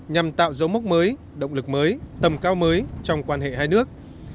nhằm tạo dấu mốc mới động lực mới tầm cao mới trong quan hệ hai nước